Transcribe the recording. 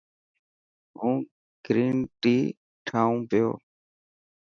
هون گرين ٽي ٺاهيون پيو.